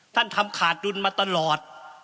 ท่านทำขาดดุลมาตลอด